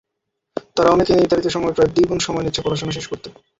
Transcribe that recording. তারা অনেকেই নির্ধারিত সময়ের প্রায় দ্বিগুণ সময় নিচ্ছে পড়াশোনা শেষ করতে।